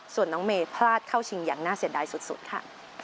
ส่วนน้องเมย์พลาดเข้าชิงอย่างน่าเสียดายสุดค่ะ